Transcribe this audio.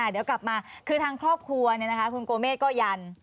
เดี๋ยวกลับมาคือทางครอบครัวคุณโกเมฆก็ยัน